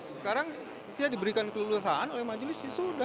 sekarang dia diberikan kelulusan oleh majelis ya sudah